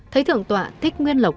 thấy thượng tọa thích nguyên lộc